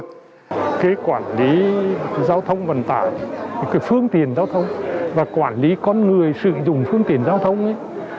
cái quản lý giao thông vận tải cái phương tiện giao thông và quản lý con người sử dụng phương tiện giao thông ấy